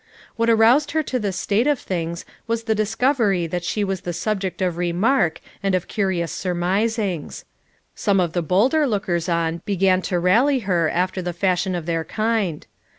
"What aroused her to this state of things was the discovery that she was the subject of remark and of curious sur misings. Some of the bolder lookers on began to rally her after the fashion of their kind.